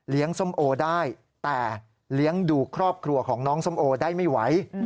ส้มโอได้แต่เลี้ยงดูครอบครัวของน้องส้มโอได้ไม่ไหว